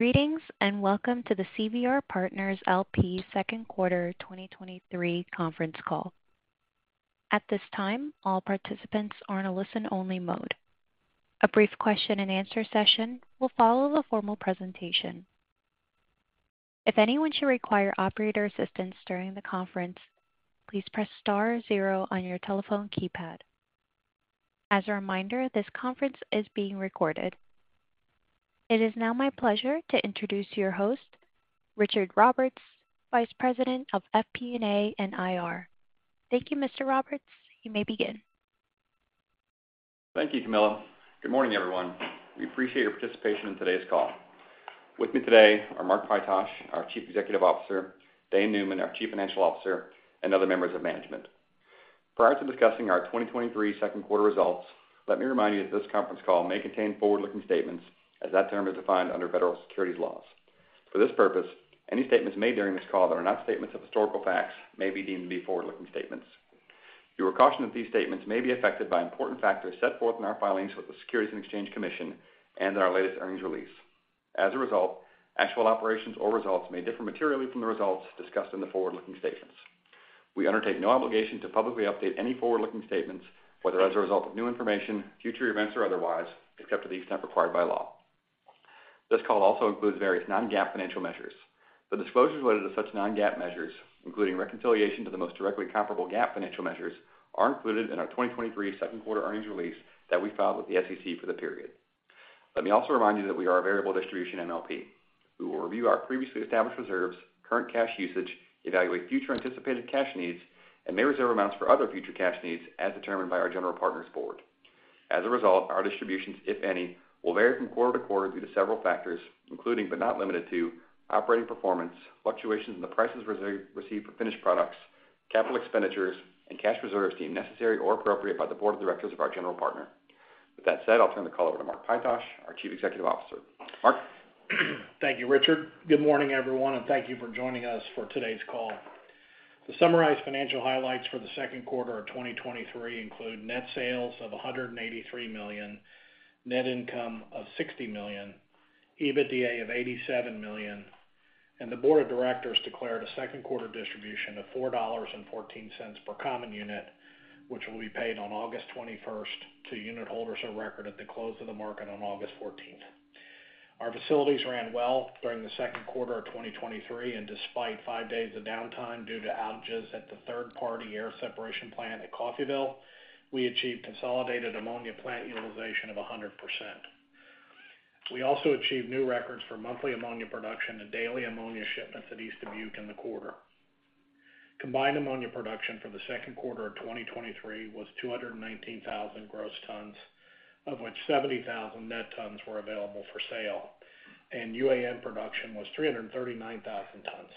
Greetings, and welcome to the CVR Partners LP Second Quarter 2023 conference call. At this time, all participants are in a listen-only mode. A brief question and answer session will follow the formal presentation. If anyone should require operator assistance during the conference, please press star zero on your telephone keypad. As a reminder, this conference is being recorded. It is now my pleasure to introduce your host, Richard Roberts, Vice President of FP&A and IR. Thank you, Mr. Roberts. You may begin. Thank you, Camilla. Good morning, everyone. We appreciate your participation in today's call. With me today are Mark Pytosh, our Chief Executive Officer, Dane Neumann, our Chief Financial Officer, and other members of management. Prior to discussing our 2023 second quarter results, let me remind you that this conference call may contain forward-looking statements, as that term is defined under federal securities laws. For this purpose, any statements made during this call that are not statements of historical facts may be deemed to be forward-looking statements. You are cautioned that these statements may be affected by important factors set forth in our filings with the Securities and Exchange Commission and in our latest earnings release. As a result, actual operations or results may differ materially from the results discussed in the forward-looking statements. We undertake no obligation to publicly update any forward-looking statements, whether as a result of new information, future events, or otherwise, except to the extent required by law. This call also includes various non-GAAP financial measures. The disclosures related to such non-GAAP measures, including reconciliation to the most directly comparable GAAP financial measures, are included in our 2023 second quarter earnings release that we filed with the SEC for the period. Let me also remind you that we are a variable distribution MLP. We will review our previously established reserves, current cash usage, evaluate future anticipated cash needs, and may reserve amounts for other future cash needs as determined by our general partners board. As a result, our distributions, if any, will vary from quarter-to-quarter due to several factors, including, but not limited to, operating performance, fluctuations in the prices received for finished products, capital expenditures, and cash reserves deemed necessary or appropriate by the board of directors of our general partner. With that said, I'll turn the call over to Mark Pytosh, our Chief Executive Officer. Mark? Thank you, Richard. Good morning, everyone, thank you for joining us for today's call. To summarize, financial highlights for the second quarter of 2023 include net sales of $183 million, net income of $60 million, EBITDA of $87 million, the board of directors declared a second quarter distribution of $4.14 per common unit, which will be paid on August 21st to unit holders of record at the close of the market on August 14th. Our facilities ran well during the second quarter of 2023, despite five days of downtime due to outages at the third-party air separation plant at Coffeyville, we achieved consolidated ammonia plant utilization of 100%. We also achieved new records for monthly ammonia production and daily ammonia shipments at East Dubuque in the quarter. Combined ammonia production for the second quarter of 2023 was 219,000 gross tons, of which 70,000 net tons were available for sale, and UAN production was 339,000 tons.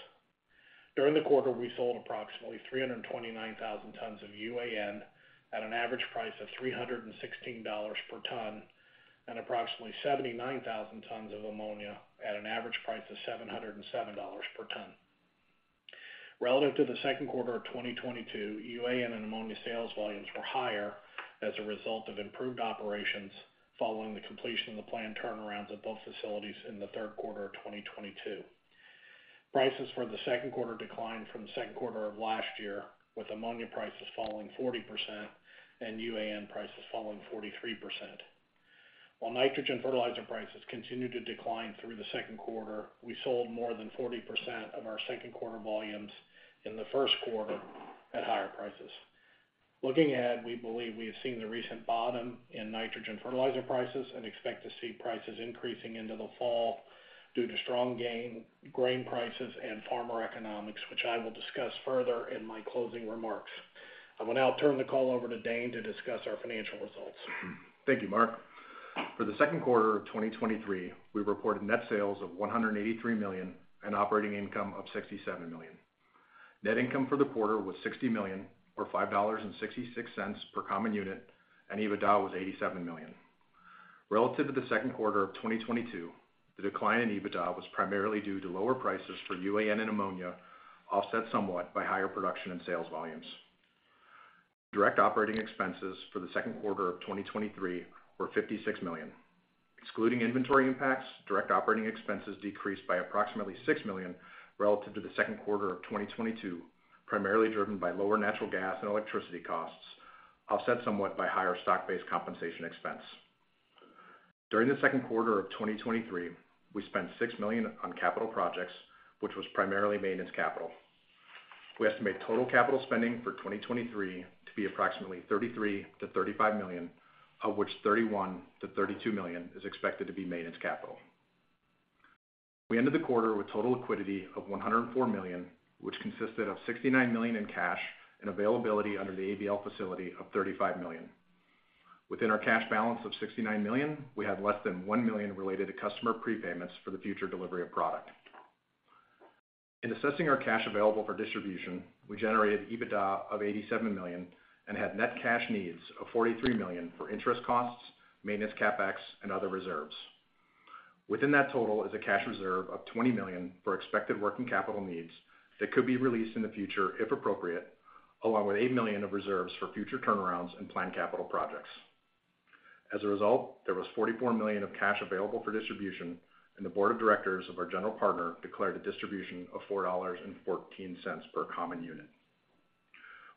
During the quarter, we sold approximately 329,000 tons of UAN at an average price of $316 per ton, and approximately 79,000 tons of ammonia at an average price of $707 per ton. Relative to the second quarter of 2022, UAN and ammonia sales volumes were higher as a result of improved operations following the completion of the planned turnarounds at both facilities in the third quarter of 2022. Prices for the second quarter declined from the second quarter of last year, with ammonia prices falling 40% and UAN prices falling 43%. While nitrogen fertilizer prices continued to decline through the second quarter, we sold more than 40% of our second quarter volumes in the first quarter at higher prices. Looking ahead, we believe we have seen the recent bottom in nitrogen fertilizer prices and expect to see prices increasing into the fall due to strong grain prices and farmer economics, which I will discuss further in my closing remarks. I will now turn the call over to Dane to discuss our financial results. Thank you, Mark. For the second quarter of 2023, we reported net sales of $183 million and operating income of $67 million. Net income for the quarter was $60 million, or $5.66 per common unit, and EBITDA was $87 million. Relative to the second quarter of 2022, the decline in EBITDA was primarily due to lower prices for UAN and ammonia, offset somewhat by higher production and sales volumes. Direct operating expenses for the second quarter of 2023 were $56 million. Excluding inventory impacts, direct operating expenses decreased by approximately $6 million relative to the second quarter of 2022, primarily driven by lower natural gas and electricity costs, offset somewhat by higher stock-based compensation expense. During the second quarter of 2023, we spent $6 million on capital projects, which was primarily maintenance capital. We estimate total capital spending for 2023 to be approximately $33 million-$35 million, of which $31 million-$32 million is expected to be maintenance capital. We ended the quarter with total liquidity of $104 million, which consisted of $69 million in cash and availability under the ABL facility of $35 million. Within our cash balance of $69 million, we had less than $1 million related to customer prepayments for the future delivery of product. In assessing our cash available for distribution, we generated EBITDA of $87 million and had net cash needs of $43 million for interest costs, maintenance, CapEx, and other reserves. Within that total is a cash reserve of $20 million for expected working capital needs that could be released in the future, if appropriate, along with $8 million of reserves for future turnarounds and planned capital projects. As a result, there was $44 million of cash available for distribution, and the board of directors of our general partner declared a distribution of $4.14 per common unit.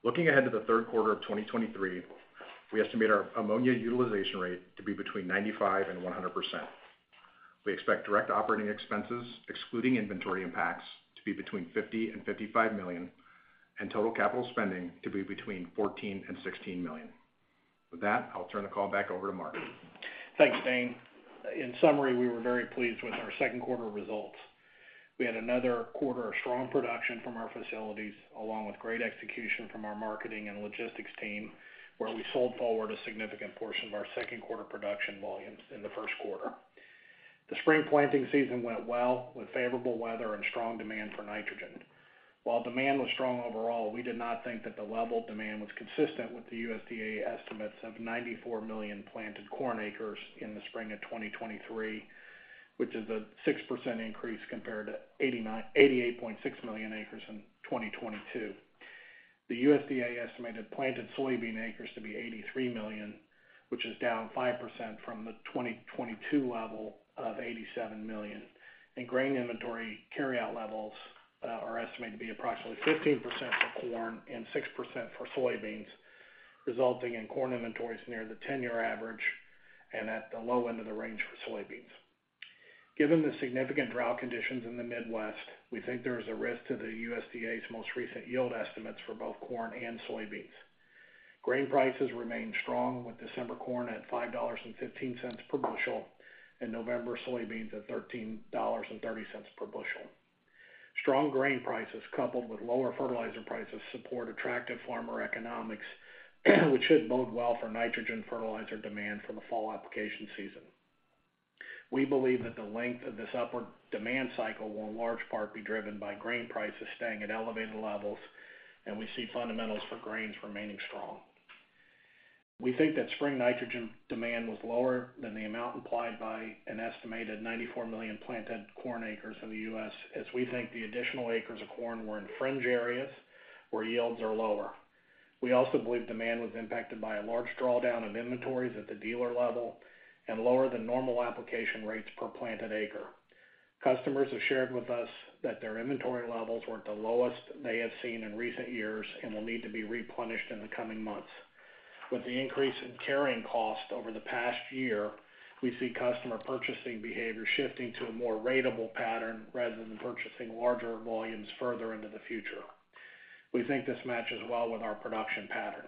Looking ahead to the third quarter of 2023, we estimate our ammonia utilization rate to be between 95% and 100%. We expect direct operating expenses, excluding inventory impacts, to be between $50 million and $55 million, and total capital spending to be between $14 million and $16 million. With that, I'll turn the call back over to Mark. Thank you, Dane. In summary, we were very pleased with our second quarter results. We had another quarter of strong production from our facilities, along with great execution from our marketing and logistics team, where we sold forward a significant portion of our second quarter production volumes in the first quarter. The spring planting season went well, with favorable weather and strong demand for nitrogen. While demand was strong overall, we did not think that the level of demand was consistent with the USDA estimates of 94 million planted corn acres in the spring of 2023, which is a 6% increase compared to 88.6 million acres in 2022. The USDA estimated planted soybean acres to be 83 million, which is down 5% from the 2022 level of 87 million. Grain inventory carryout levels are estimated to be approximately 15% for corn and 6% for soybeans, resulting in corn inventories near the ten-year average and at the low end of the range for soybeans. Given the significant drought conditions in the Midwest, we think there is a risk to the USDA's most recent yield estimates for both corn and soybeans. Grain prices remain strong, with December corn at $5.15 per bushel, and November soybeans at $13.30 per bushel. Strong grain prices, coupled with lower fertilizer prices, support attractive farmer economics, which should bode well for nitrogen fertilizer demand for the fall application season. We believe that the length of this upward demand cycle will in large part be driven by grain prices staying at elevated levels, and we see fundamentals for grains remaining strong. We think that spring nitrogen demand was lower than the amount implied by an estimated 94 million planted corn acres in the U.S., as we think the additional acres of corn were in fringe areas where yields are lower. We also believe demand was impacted by a large drawdown in inventories at the dealer level and lower than normal application rates per planted acre. Customers have shared with us that their inventory levels were at the lowest they have seen in recent years and will need to be replenished in the coming months. With the increase in carrying costs over the past year, we see customer purchasing behavior shifting to a more ratable pattern rather than purchasing larger volumes further into the future. We think this matches well with our production pattern.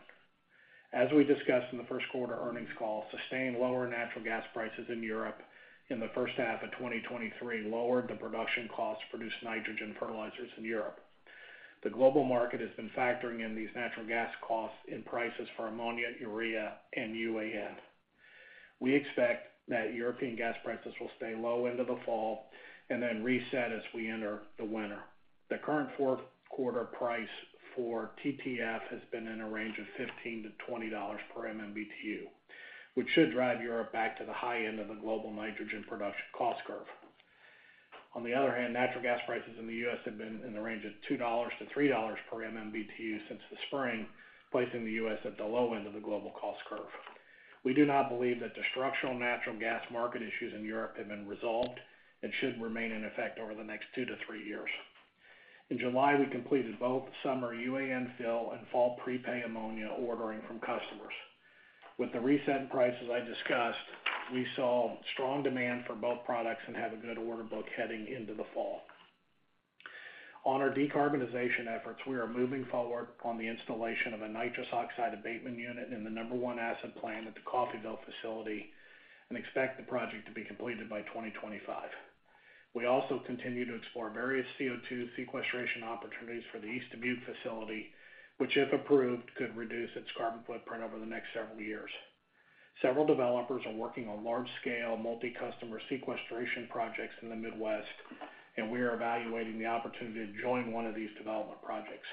As we discussed in the first quarter earnings call, sustained lower natural gas prices in Europe in the first half of 2023 lowered the production costs to produce nitrogen fertilizers in Europe. The global market has been factoring in these natural gas costs in prices for ammonia, urea, and UAN. We expect that European gas prices will stay low into the fall and then reset as we enter the winter. The current fourth quarter price for TTF has been in a range of $15-$20 per MMBtu, which should drive Europe back to the high end of the global nitrogen production cost curve. On the other hand, natural gas prices in the US have been in the range of $2-$3 per MMBtu since the spring, placing the US at the low end of the global cost curve. We do not believe that the structural natural gas market issues in Europe have been resolved and should remain in effect over the next 2 years-3 years. In July, we completed both summer UAN fill and fall prepay ammonia ordering from customers. With the reset prices I discussed, we saw strong demand for both products and have a good order book heading into the fall. On our decarbonization efforts, we are moving forward on the installation of a nitrous oxide abatement unit in the number one acid plant at the Coffeyville facility and expect the project to be completed by 2025. We also continue to explore various CO2 sequestration opportunities for the East Dubuque facility, which, if approved, could reduce its carbon footprint over the next several years. Several developers are working on large-scale, multi-customer sequestration projects in the Midwest, and we are evaluating the opportunity to join one of these development projects.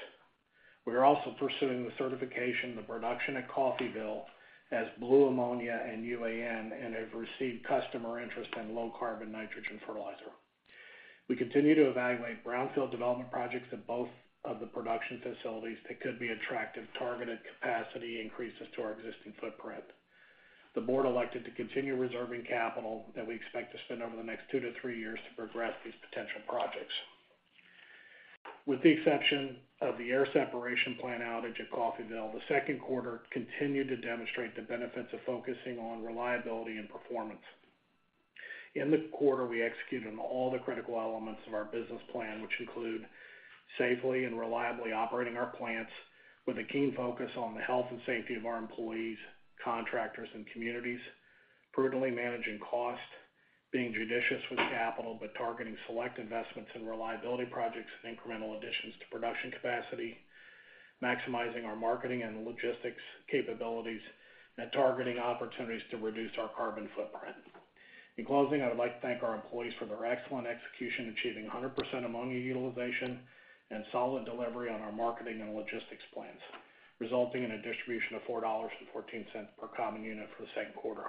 We are also pursuing the certification of the production at Coffeyville as blue ammonia and UAN and have received customer interest in low-carbon nitrogen fertilizer. We continue to evaluate brownfield development projects at both of the production facilities that could be attractive targeted capacity increases to our existing footprint. The board elected to continue reserving capital that we expect to spend over the next two to three years to progress these potential projects. With the exception of the air separation plant outage at Coffeyville, the second quarter continued to demonstrate the benefits of focusing on reliability and performance. In this quarter, we executed on all the critical elements of our business plan, which include safely and reliably operating our plants with a keen focus on the health and safety of our employees, contractors, and communities, prudently managing cost, being judicious with capital, but targeting select investments in reliability projects and incremental additions to production capacity, maximizing our marketing and logistics capabilities, and targeting opportunities to reduce our carbon footprint. In closing, I would like to thank our employees for their excellent execution, achieving 100% ammonia utilization and solid delivery on our marketing and logistics plans, resulting in a distribution of $4.14 per common unit for the second quarter.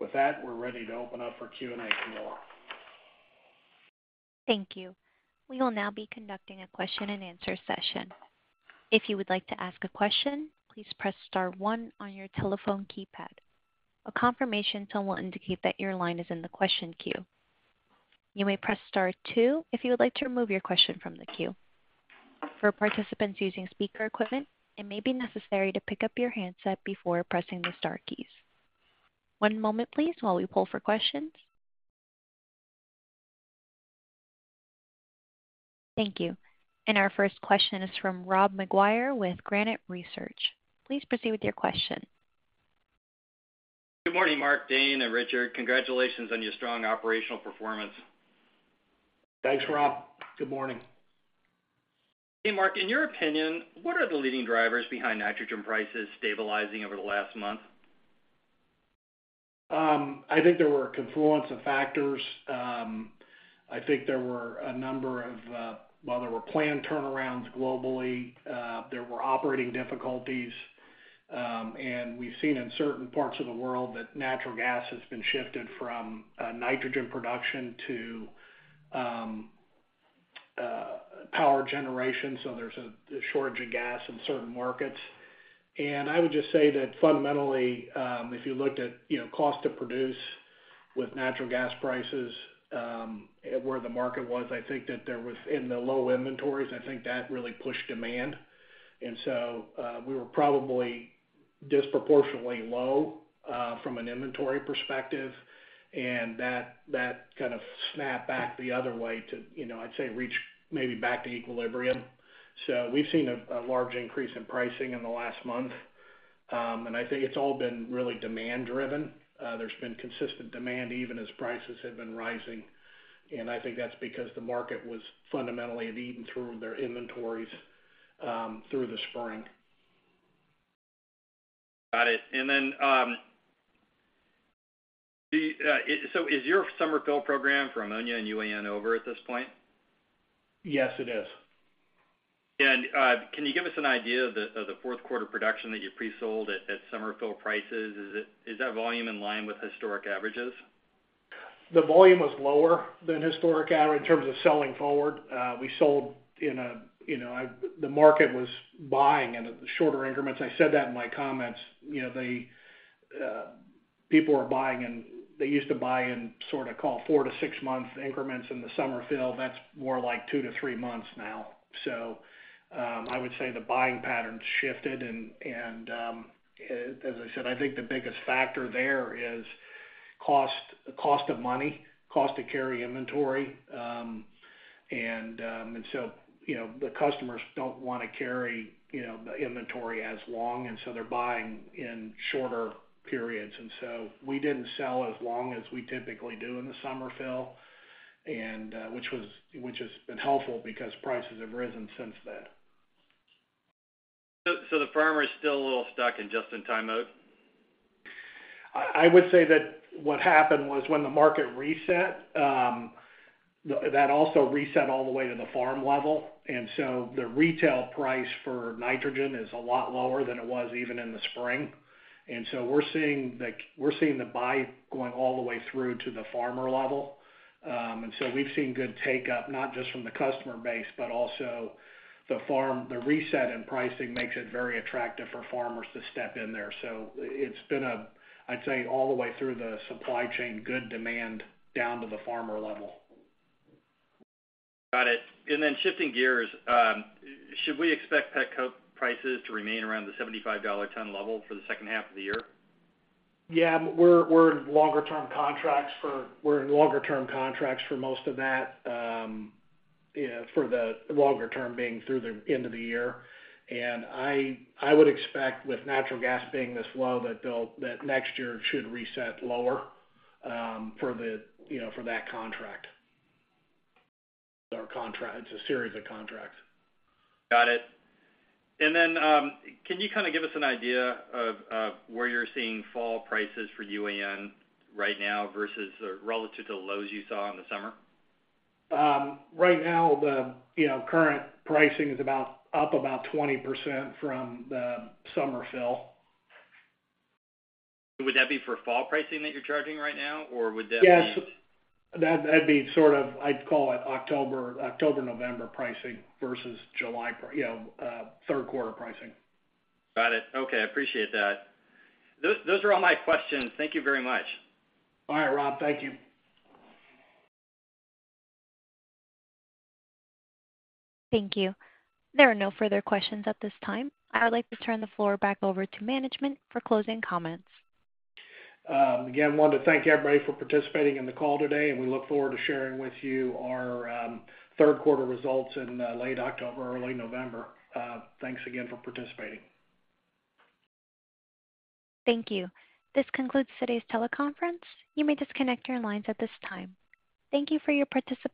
With that, we're ready to open up for Q&A from you all. Thank you. We will now be conducting a question-and-answer session. If you would like to ask a question, please press star one on your telephone keypad. A confirmation tone will indicate that your line is in the question queue. You may press star two if you would like to remove your question from the queue. For participants using speaker equipment, it may be necessary to pick up your handset before pressing the star keys. One moment please, while we pull for questions. Thank you. Our first question is from Rob McGuire with Granite Research. Please proceed with your question. Good morning, Mark, Dane, and Richard. Congratulations on your strong operational performance. Thanks, Rob. Good morning. Hey, Mark, in your opinion, what are the leading drivers behind nitrogen prices stabilizing over the last month? I think there were a confluence of factors. I think there were a number of planned turnarounds globally, there were operating difficulties, and we've seen in certain parts of the world that natural gas has been shifted from nitrogen production to power generation, so there's a shortage of gas in certain markets. I would just say that fundamentally, if you looked at cost to produce with natural gas prices, where the market was, I think that there was in the low inventories, I think that really pushed demand. We were probably disproportionately low from an inventory perspective, and that, that kind of snapped back the other way to I'd say reach maybe back to equilibrium. We've seen a, a large increase in pricing in the last month, and I think it's all been really demand driven. There's been consistent demand, even as prices have been rising, and I think that's because the market was fundamentally had eaten through their inventories through the spring. Got it. Is your summer fill program for ammonia and UAN over at this point? Yes, it is. Can you give us an idea of the, of the fourth quarter production that you presold at, at summer fill prices? Is that volume in line with historic averages? The volume was lower than historic average in terms of selling forward. We sold in a, you know, The market was buying in shorter increments. I said that in my comments. You know, the people are buying, and they used to buy in sort of call 4 to 6-month increments in the summer fill. That's more like 2 to 3 months now. I would say the buying pattern shifted, and, as I said, I think the biggest factor there is cost, cost of money, cost to carry inventory. The customers don't wanna carry, you know, the inventory as long, and so they're buying in shorter periods. We didn't sell as long as we typically do in the summer fill, and which has been helpful because prices have risen since then. so the farmer is still a little stuck in just-in-time mode? I, I would say that what happened was when the market reset, that also reset all the way to the farm level. The retail price for nitrogen is a lot lower than it was even in the spring. We're seeing the buy going all the way through to the farmer level. We've seen good take up, not just from the customer base, but also the farm. The reset in pricing makes it very attractive for farmers to step in there. It's been a, I'd say, all the way through the supply chain, good demand down to the farmer level. Got it. Then shifting gears, should we expect pet coke prices to remain around the $75 ton level for the second half of the year? Yeah, we're, we're in longer term contracts for we're in longer term contracts for most of that, you know, for the longer term being through the end of the year. I, I would expect with natural gas being this low, that next year should reset lower, for the, you know, for that contract. Our contract, it's a series of contracts. Got it. Then, can you kind of give us an idea of, of where you're seeing fall prices for UAN right now versus or relative to the lows you saw in the summer? Right now, the, you know, current pricing is about, up about 20% from the summer fill.year Would that be for fall pricing that you're charging right now, or would that be- Yes. That, that'd be sort of, I'd call it October, October-November pricing versus July you know, third quarter pricing. Got it. Okay, I appreciate that. Those, those are all my questions. Thank you very much. All right, Rob. Thank you. Thank you. There are no further questions at this time. I would like to turn the floor back over to management for closing comments. Again, wanted to thank everybody for participating in the call today, and we look forward to sharing with you our third quarter results in late October, early November. Thanks again for participating. Thank you. This concludes today's teleconference. You may disconnect your lines at this time. Thank you for your participation.